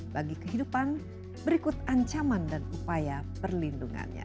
bagi kehidupan berikut ancaman dan upaya perlindungannya